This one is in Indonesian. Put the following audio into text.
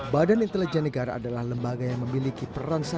badan intelijen negara adalah lembaga yang memiliki peran sama